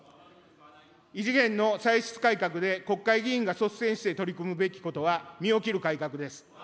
異次元の歳出改革で国会議員が率先して取り組むべきことは、身を切る改革です。